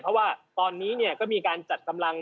เพราะว่าตอนนี้ก็มีการจัดกำลัง